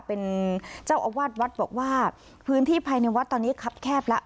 เป็นเจ้าอาวาสวัดบอกว่าพื้นที่ภายในวัดตอนนี้ครับแคบแล้ว